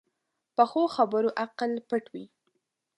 پخو خبرو عقل پټ وي